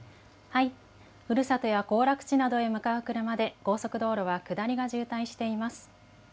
ふるさとや行楽地などへ向かう車で、高速道路は下りが渋滞しています。